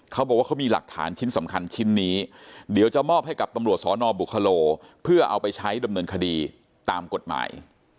เขาบอกว่าเขามีหลักฐานชิ้นสำคัญชิ้นนี้เดี๋ยวจะมอบให้กับตำรวจสนบุคโลเพื่อเอาไปใช้ดำเนินคดีตามกฎหมาย